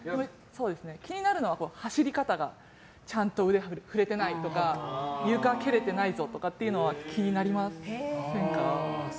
気になるのは走り方がちゃんと腕が振れてないとか床、けれてないとか気になりませんか。